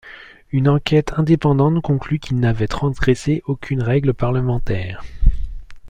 Une enquête indépendante conclut qu'il n'avait transgressé aucune règle parlementaire.